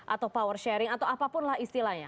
atau power sharing atau apapun lah istilahnya